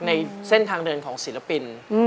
ในเส้นทางเดินของศิลปิน